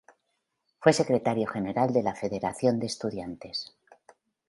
Fue secretario general de la Federación de Estudiantes.